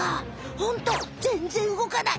ホントぜんぜん動かない。